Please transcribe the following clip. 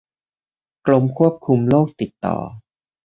กรมควบคุมโรคติดต่อ